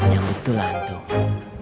yang betul antum